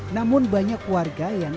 namun banyak warga yang menanggapi varian delta